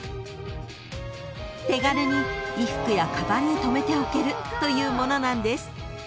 ［手軽に衣服やかばんにとめておけるというものなんです］